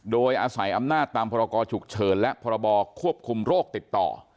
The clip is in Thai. โดยอาศัยอำนาจตามพรกรฉุกเฉินและพรบควบคุมโรคติดต่อ